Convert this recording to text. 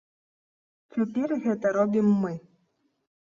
Цяпер гэта робім мы.